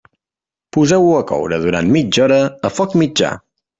Poseu-ho a coure durant mitja hora a foc mitjà.